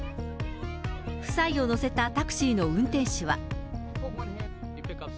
夫妻を乗せたタクシーの運転手は。